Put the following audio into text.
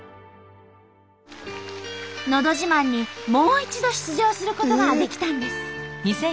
「のど自慢」にもう一度出場することができたんです。